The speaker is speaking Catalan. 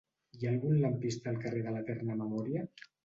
Hi ha algun lampista al carrer de l'Eterna Memòria?